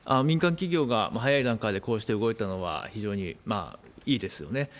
民間企業が早い段階でこうして動いたのは非常にいいですよね。